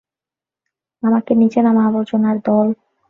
আমাকে নিচে নামা, আবর্জনার দল!